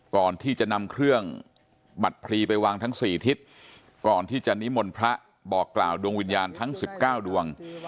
ก่อนที่จะนำเครื่องบัตรพลีไปวางทั้ง๔ทิศก่อนที่จะนิมนต์พระบอกกล่าวดวงวิญญาณทั้ง๑๙ดวง